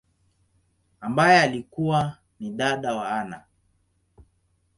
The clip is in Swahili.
ambaye alikua ni dada wa Anna.